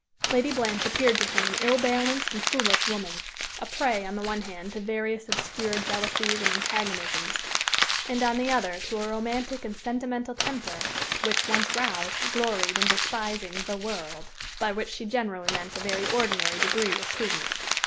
Lady Blanche appeared to him an ill balanced and foolish woman; a prey, on the one hand, to various obscure jealousies and antagonisms, and on the other to a romantic and sentimental temper which, once roused, gloried in despising "the world," by which she generally meant a very ordinary degree of prudence.